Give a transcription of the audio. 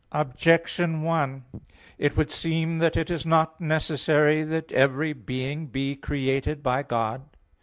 Objection 1: It would seem that it is not necessary that every being be created by God.